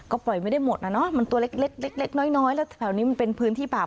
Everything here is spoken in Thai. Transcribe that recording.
ก็ปล่อยไม่ได้หมดนะเนอะมันตัวเล็กเล็กน้อยแล้วแถวนี้มันเป็นพื้นที่ป่า